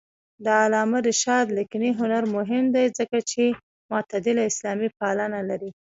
د علامه رشاد لیکنی هنر مهم دی ځکه چې معتدله اسلاميپالنه لري.